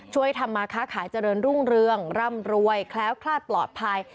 ช่วยทำมาค้าขายเจริญรุ่งเรืองร่ำรวยแคล้วคลาดปลอดภัย